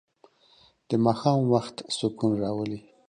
د ماښام وخت سکون راولي.